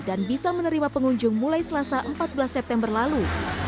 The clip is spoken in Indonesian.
dan bisa menerima pengunjung mulai selasa empat belas september lalu